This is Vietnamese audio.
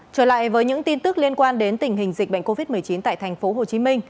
trở lại với những tin tức liên quan đến tình hình dịch bệnh covid một mươi chín tại tp hcm